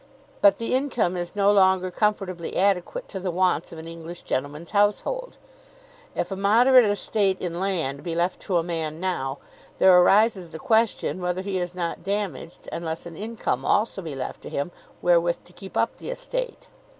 But the income is no longer comfortably adequate to the wants of an English gentleman's household. If a moderate estate in land be left to a man now, there arises the question whether he is not damaged unless an income also be left to him wherewith to keep up the estate.